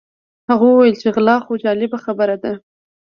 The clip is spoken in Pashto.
هغه وویل چې غلا خو جالبه خبره ده.